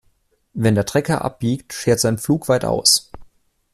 Wenn der Trecker abbiegt, schert sein Pflug weit aus.